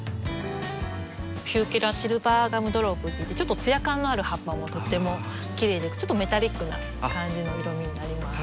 ヒューケラシルバーガムドロップといってちょっと艶感のある葉っぱもとってもきれいでちょっとメタリックな感じの色みになります。